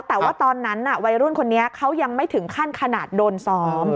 แต่ว่าตอนนั้นวัยรุ่นคนนี้เขายังไม่ถึงขั้นขนาดโดนซ้อม